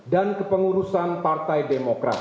dan kepengurusan partai demokrat